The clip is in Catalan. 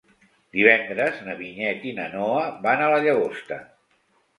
Divendres na Vinyet i na Noa van a la Llagosta.